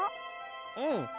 うん。